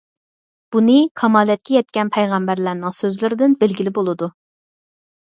بۇنى كامالەتكە يەتكەن پەيغەمبەرلەرنىڭ سۆزلىرىدىن بىلگىلى بولىدۇ.